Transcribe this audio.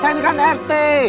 saya ini kan yang di rt